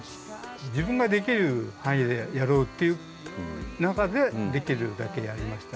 自分ができる範囲でやろうっていう中でできるだけやりました。